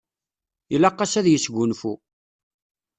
Ilaq-as ad yesgunfu.